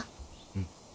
うん。